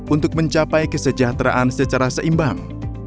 untuk mencapai kesejahteraan secara seimbang